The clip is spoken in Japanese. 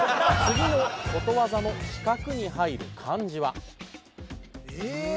次のことわざの四角に入る漢字は？ええ？